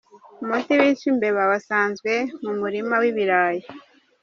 Umuti wica imbeba wasanzwe mu murima w’ibariyi.